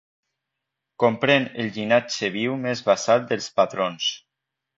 Comprèn el llinatge viu més basal dels patrons.